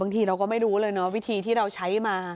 ทีเราก็ไม่รู้เลยเนาะวิธีที่เราใช้มา